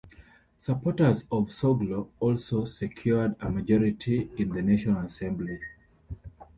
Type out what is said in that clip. Supporters of Soglo also secured a majority in the National Assembly.